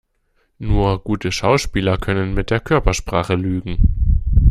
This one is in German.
Nur gute Schauspieler können mit der Körpersprache lügen.